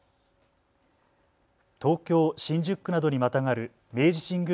東京新宿区などにまたがる明治神宮